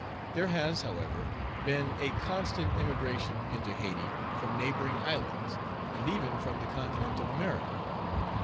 There has, however, been a constant immigration into Hayti from neighboring islands, and even from the continent of America.